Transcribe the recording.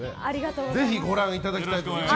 ぜひご覧いただければと思います。